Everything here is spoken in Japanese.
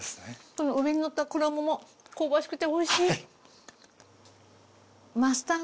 上にのった衣も香ばしくておいしい。